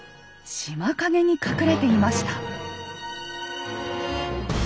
島陰に隠れていました。